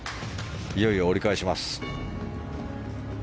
いよいよ折り返します。